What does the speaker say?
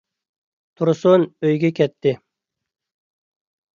تۇرسۇن ئۆيىگە كەتتى.